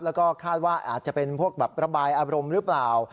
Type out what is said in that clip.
แล้วก็คาดว่าอาจจะเป็นพวกแบบระบายอารมณ์หรือเปล่า